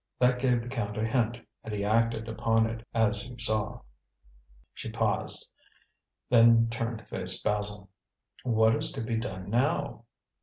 That gave the Count a hint, and he acted upon it, as you saw." She paused, then turned to face Basil. "What is to be done now?"